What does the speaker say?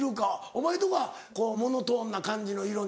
お前のとこはモノトーンな感じの色に？